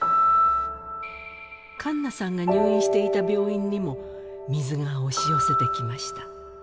栞奈さんが入院していた病院にも水が押し寄せてきました。